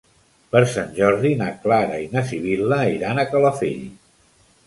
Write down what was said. Per Sant Jordi na Clara i na Sibil·la iran a Calafell.